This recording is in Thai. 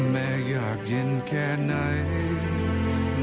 แม่อยากเย็นแค่ไหน